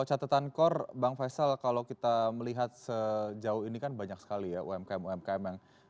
oke kalau catatan kor bang faisal kalau kita melihat sejauh ini kan banyak sekali umkm umkm yang